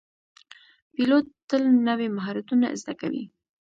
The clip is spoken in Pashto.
پیلوټ تل نوي مهارتونه زده کوي.